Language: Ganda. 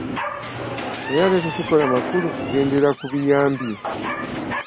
Naye ate tekikola makulu kugendera ku biyambye